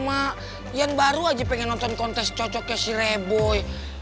mak yang baru aja pengen nonton kontes cocoknya si reboy